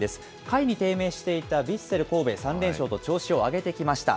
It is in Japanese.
下位に低迷していたヴィッセル神戸、３連勝と調子を上げてきました。